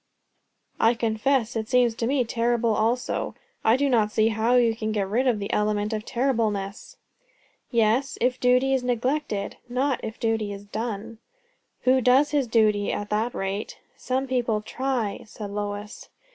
"I confess it seems to me terrible also. I do not see how you can get rid of the element of terribleness." "Yes, if duty is neglected. Not if duty is done." "Who does his duty, at that rate?" "Some people try," said Lois.